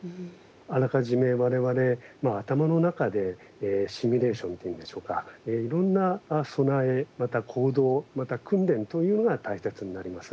あらかじめ我々頭の中でシミュレーションというんでしょうかいろんな備えまた行動また訓練というのが大切になります。